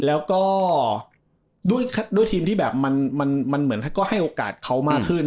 แล้วก็ด้วยทีมที่แบบมันเหมือนก็ให้โอกาสเขามากขึ้น